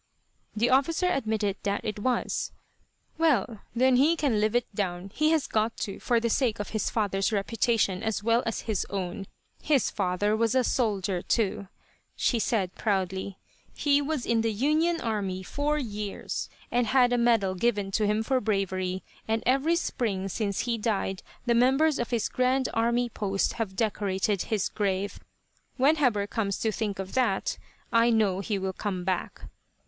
The officer admitted that it was. "Well, then he can live it down. He has got to, for the sake of his father's reputation as well as his own. His father was a soldier, too," she said proudly. "He was in the Union army four years, and had a medal given to him for bravery, and every spring since he died the members of his Grand Army Post have decorated his grave. When Heber comes to think of that, I know he will come back."